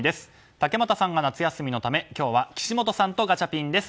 竹俣さんが夏休みのため今日は岸本さんとガチャピンです。